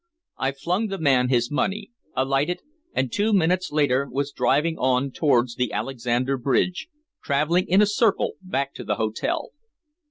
I flung the man his money, alighted, and two minutes later was driving on towards the Alexander Bridge, traveling in a circle back to the hotel.